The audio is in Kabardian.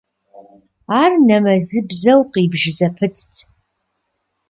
Ар нэмэзыбзэу къибж зэпытт.